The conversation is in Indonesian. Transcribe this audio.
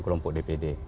di mpr ini ada sepuluh